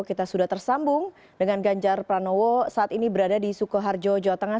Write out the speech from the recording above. kita sudah tersambung dengan ganjar pranowo saat ini berada di sukoharjo jawa tengah